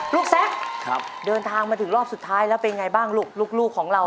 แซคเดินทางมาถึงรอบสุดท้ายแล้วเป็นไงบ้างลูกลูกของเรา